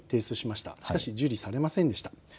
しかし受理されませんでした。